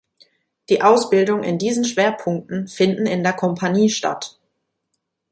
Die Ausbildung in diesen Schwerpunkten finden in der Kompanie statt.